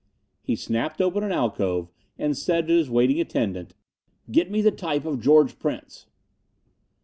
He snapped open an alcove, and said to his waiting attendant, "Get me the type of George Prince."